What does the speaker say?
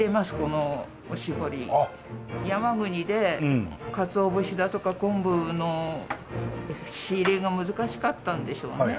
山国でかつお節だとか昆布の仕入れが難しかったんでしょうね。